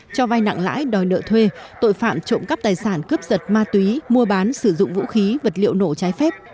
cho vai nặng lãi đòi nợ thuê tội phạm trộm cắp tài sản cướp giật ma túy mua bán sử dụng vũ khí vật liệu nổ trái phép